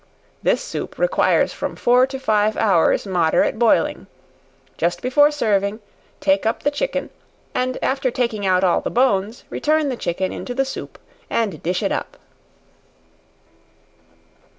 This soup requires from four to five hours moderate boiling. Just before serving, take up the chicken, and after taking out all the bones, return the chicken into the soup, and dish it up.